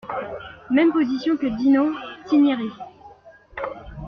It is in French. Même position que Dino Cinieri.